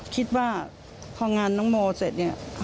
คิดว่าพองานน้องหมอเสร็จ